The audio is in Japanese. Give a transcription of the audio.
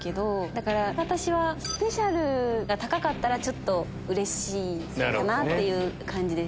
だから私スペシャルメニューが高かったらちょっとうれしいかなっていう感じです。